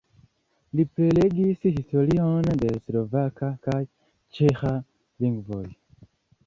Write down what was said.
Li prelegis historion de slovaka kaj ĉeĥa lingvoj.